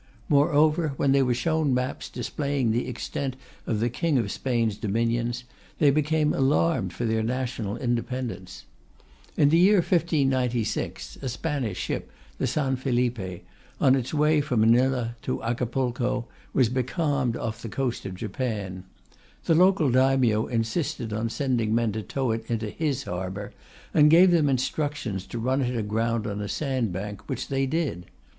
Moreover, when they were shown maps displaying the extent of the King of Spain's dominions, they became alarmed for their national independence. In the year 1596, a Spanish ship, the San Felipe, on its way from Manila to Acapulco, was becalmed off the coast of Japan. The local Daimyo insisted on sending men to tow it into his harbour, and gave them instructions to run it aground on a sandbank, which they did.